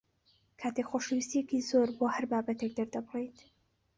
کاتێک خۆشەویستییەکی زۆر بۆ هەر بابەتێک دەردەبڕیت